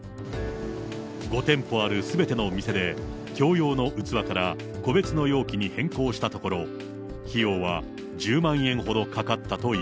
５店舗あるすべての店で、共用の器から個別の容器に変更したところ、費用は１０万円ほどかかったという。